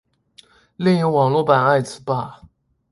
另有网络版爱词霸。